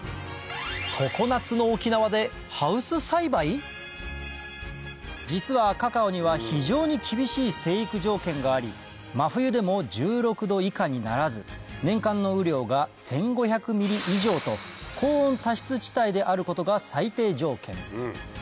常夏の実はカカオには非常に厳しい生育条件があり真冬でも１６℃以下にならず年間の雨量が１５００ｍｍ以上と高温多湿地帯であることが最低条件